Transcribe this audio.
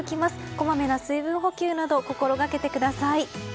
こまめな水分補給など心がけてください。